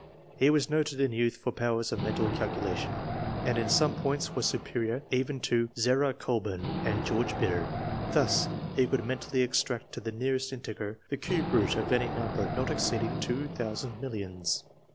He was noted in youth for powers of mental calculation, and in some points was superior even to Zerah Colbum and George Bidder ; thus he could mentally extract 1.] ANTECEDENTS. 53 to the nearest integer the cube root of any number not exceeding two thousand millions.